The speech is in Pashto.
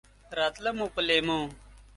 راتله مو په لېمو!